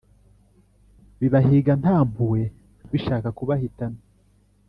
Bibahiga nta mpuhwe bishaka kubahitana